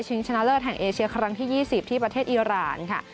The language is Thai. ชนะเลิศแห่งเอเชียครั้งที่๒๐ที่ประเทศอีรานค่ะ